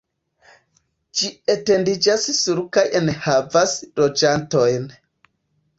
Ĝi etendiĝas sur kaj enhavas loĝantojn.